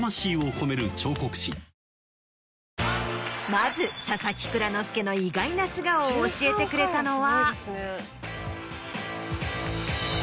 まず佐々木蔵之介の意外な素顔を教えてくれたのは。